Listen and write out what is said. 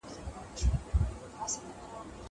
زه به ليک لوستی وي.